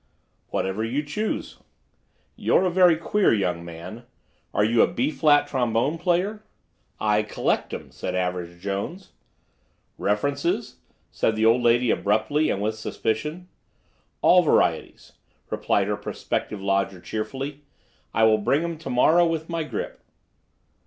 "Whatever you choose." "You're a very queer young man. Are you a B flat trombone player?" "I collect 'em," said Average Jones. "References?" said the old lady abruptly and with suspicion. "All varieties," replied her prospective lodger cheerfully. "I will bring 'em to morrow with my grip."